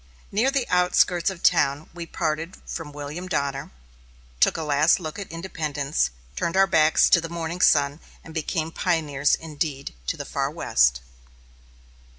Near the outskirts of town we parted from William Donner, took a last look at Independence, turned our backs to the morning sun, and became pioneers indeed to the Far West.